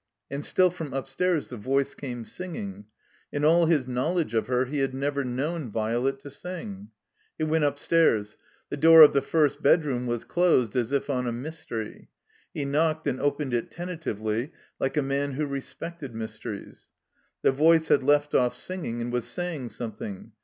And still from upstairs the voice came singing. In all his knowledge of her he had never known Violet to sing. He went upstairs. The door of the front bedroom was closed as if on a mystery. He knocked and opened it tentatively, like a man who respected mysteries. The voice had left off singing, and was saying some thing.